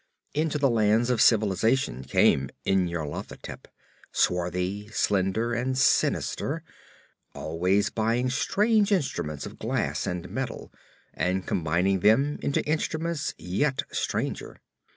Into the lands of civilisation came Nyarlathotep, swarthy, slender, and sinister, always buying strange instruments of glass and metal and combining them into instruments yet stranger.